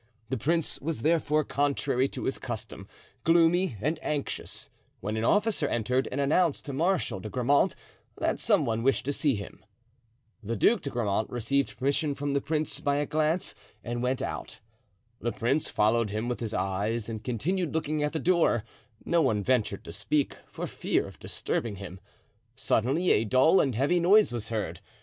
The prince was, therefore, contrary to his custom, gloomy and anxious, when an officer entered and announced to Marshal de Grammont that some one wished to see him. The Duc de Grammont received permission from the prince by a glance and went out. The prince followed him with his eyes and continued looking at the door; no one ventured to speak, for fear of disturbing him. Suddenly a dull and heavy noise was heard.